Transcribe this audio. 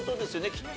きっと。